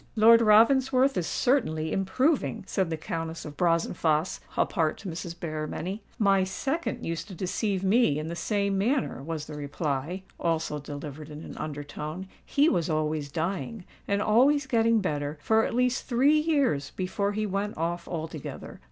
"Lord Ravensworth is certainly improving," said the Countess of Brazenphace apart to Mrs. Berrymenny. "My second used to deceive me in the same manner," was the reply, also delivered in an under tone. "He was always dying—and always getting better, for at least three years before he went off altogether.